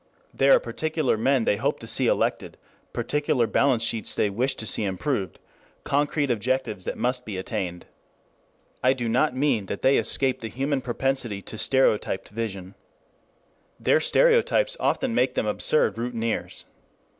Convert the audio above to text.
There are particular men they hope to see elected, particular balance sheets they wish to see improved, concrete objectives that must be attained. I do not mean that they escape the human propensity to stereotyped vision. Their stereotypes often make them absurd routineers.